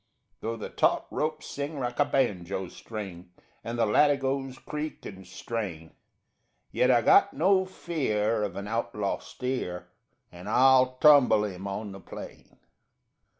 Though the taut ropes sing like a banjo string And the latigoes creak and strain, Yet I got no fear of an outlaw steer And I'll tumble him on the plain.